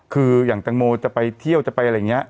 คืออย่างแตงโมจะไปเที่ยวจะไปอะไรอย่างนี้